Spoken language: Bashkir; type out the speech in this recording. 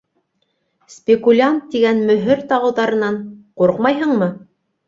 Спекулянт тигән мөһөр тағыуҙарынан... ҡурҡмайһыңмы?